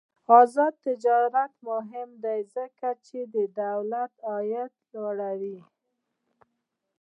آزاد تجارت مهم دی ځکه چې دولت عاید لوړوي.